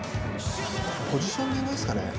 ポジショニングですかね